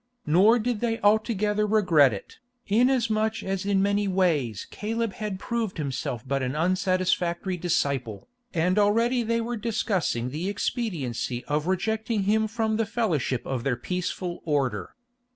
Nor did they altogether regret it, inasmuch as in many ways Caleb had proved himself but an unsatisfactory disciple, and already they were discussing the expediency of rejecting him from the fellowship of their peaceful order.